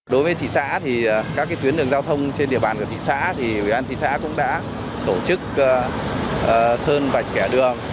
đối với thị xã thì các tuyến đường giao thông trên địa bàn của thị xã thì ủy ban thị xã cũng đã tổ chức sơn vạch kẻ đường